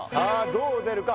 どう出るか？